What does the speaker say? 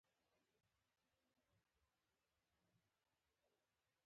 د کیمیاوي موادو پاتې شوني باید نه وي.